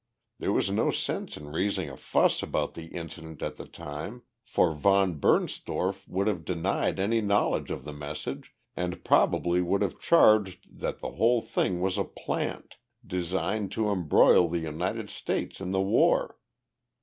There was no sense in raising a fuss about the incident at the time, for von Bernstorff would have denied any knowledge of the message and probably would have charged that the whole thing was a plant, designed to embroil the United States in the war.